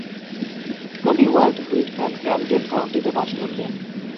কবি Walt Whitman Camden কাউন্টিতে বাস করতেন।